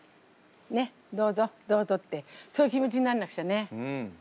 ねっどうぞどうぞってそういう気持ちになんなくちゃね。